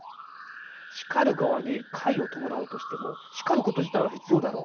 「叱る側に快を伴うとしても叱ること自体は必要だろう」